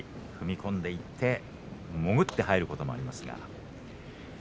踏み込んでいって潜って入ることもあります。